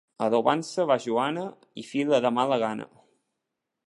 Adobant-se va Joana i fila de mala gana.